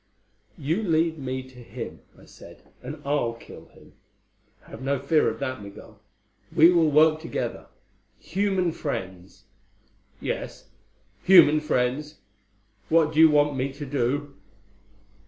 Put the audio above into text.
"You lead me to him," I said, "and I'll kill him. Have no fear of that, Migul. We will work together human friends." "Yes. Human friends. What do you want me to do?"